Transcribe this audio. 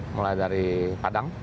mulai dari padang